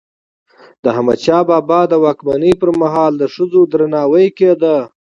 د احمدشاه بابا د واکمني پر مهال د ښځو درناوی کيده.